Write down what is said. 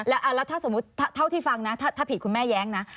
แล้วถ้าสมมุติเท่าที่ฟังนะถ้าผิดคุณแม่แย้งนะ